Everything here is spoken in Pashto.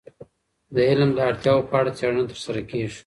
د علم د اړتیاوو په اړه څیړنه ترسره کیږي.